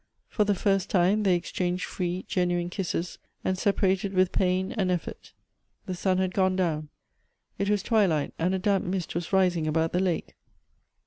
For the first time they exchanged free, genuine kisses, and separated with pain and effort. The sun had gone down. It was twilight, and a damp mist was rising about the lake.